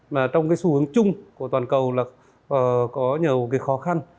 mà trong cái xu hướng chung của toàn cầu là có nhiều cái khó khăn